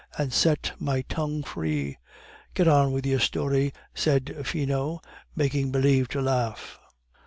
and set my tongue free." "Get on with your story," said Finot, making believe to laugh.